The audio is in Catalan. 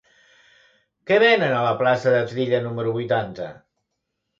Què venen a la plaça de Trilla número vuitanta?